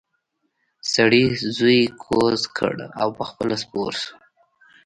سړي زوی کوز کړ او پخپله سپور شو.